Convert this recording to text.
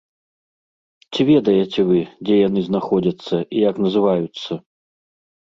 Ці ведаеце вы, дзе яны знаходзяцца і як называюцца?